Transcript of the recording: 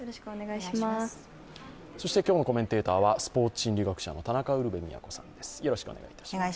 そして、今日のコメンテーターはスポーツ心理学者の田中ウルヴェ京さんです。